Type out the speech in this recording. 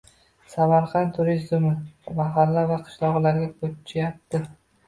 Samarqand turizmi mahalla va qishloqlarga koʻchyapti